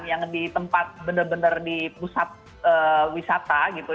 yang di tempat bener bener di pusat wisata gitu ya